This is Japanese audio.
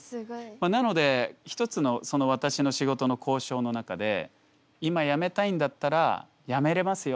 なので一つの私の仕事の交渉の中で今やめたいんだったらやめれますよ